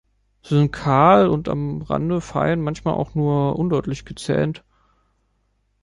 Sie sind kahl, und am Rande fein, manchmal auch nur undeutlich gezähnt.